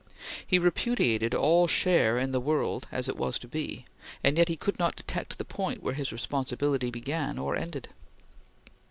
He repudiated all share in the world as it was to be, and yet he could not detect the point where his responsibility began or ended.